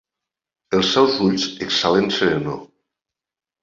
Els seus ulls exhalen serenor.